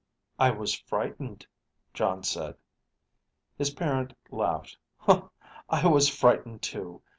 "I was frightened," Jon said. His parent laughed. "I was frightened too.